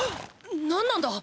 何なんだ